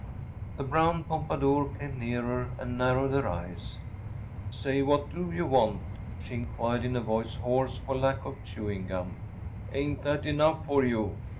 ‚ÄĚ The brown pompadour came nearer and narrowed her eyes. “Say, what do you want?‚ÄĚ she inquired, in a voice hoarse for lack of chewing gum. “Ain’t that enough for you?